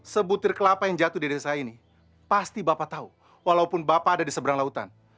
sebutir kelapa jatuh di desa ini bemungirmu